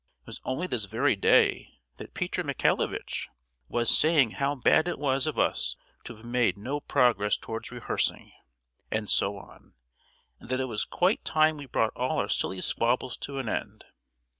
It was only this very day that Peter Michaelovitch was saying how bad it was of us to have made no progress towards rehearsing, and so on; and that it was quite time we brought all our silly squabbles to an end!